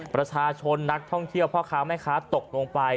ประชาชนนักท่องเที่ยวพ่อค้าแม่ค้าตกลงไป